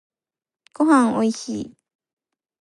ごはんおいしい